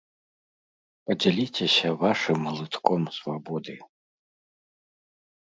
Падзяліцеся вашым глытком свабоды!